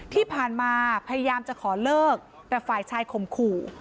ที่ผ่านมาพยายามจะขอเลิกแต่ฝ่ายชายข่มขู่